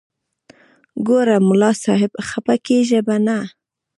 ګوره ملا صاحب خپه کېږې به نه.